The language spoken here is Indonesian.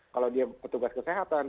kalau dia petugas kesehatan